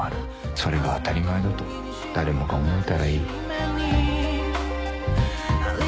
「それが当たり前だと誰もが思えたらいい」